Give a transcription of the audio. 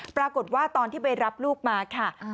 ปรากฏว่าตอนที่ไปรับลูกมาค่ะ